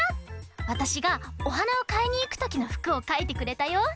わたしがおはなをかいにいくときのふくをかいてくれたよ。